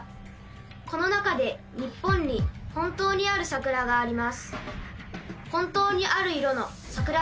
この中で日本に本当にある桜があります。